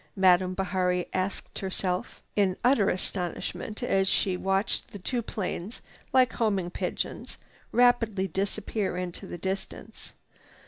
Madame Bihari asked herself in utter astonishment as she watched the two planes, like homing pigeons, rapidly disappearing into the distance.